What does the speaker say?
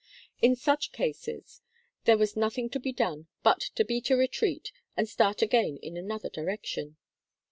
In such cases, there was nothing to be done but to beat a retreat and start again in another direction.